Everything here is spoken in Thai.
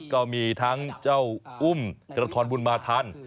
ก็มีทั้งจ้าวอุ้มกระท้อนบุนมาธันทร์